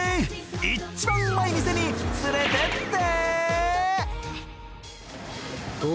一番うまい店に連れてって！